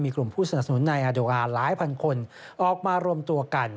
กลุ่มผู้สนับสนุนในอาโดอาร์หลายพันคนออกมารวมตัวกัน